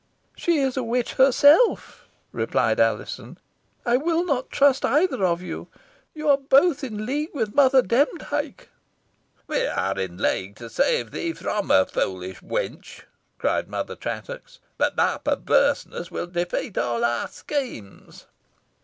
"She is a witch herself," replied Alizon. "I will not trust either of you. You are both in league with Mother Demdike." "We are in league to save thee from her, foolish wench!" cried Mother Chattox, "but thy perverseness will defeat all our schemes."